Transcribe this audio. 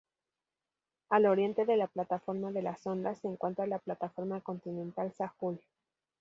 Al oriente de la plataforma de la Sonda, se encuentra la plataforma continental Sahul.